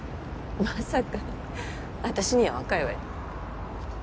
まさか私には若いわよ